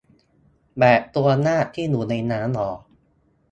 แบบตัวนากที่อยู่ในน้ำเหรอ